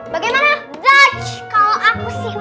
bagaimana dach kalau aku sih